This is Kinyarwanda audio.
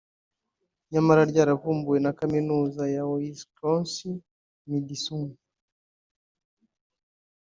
nyamara ryaravumbuwe na Kaminuza ya Wisconsin-Madison